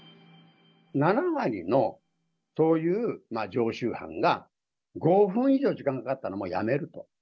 ７割の、そういう常習犯が、５分以上時間かかったら、もうやめると。